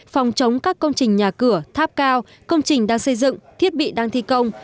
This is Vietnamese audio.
phòng chống các công trình nhà cửa tháp cao công trình đang xây dựng thiết bị đang thi công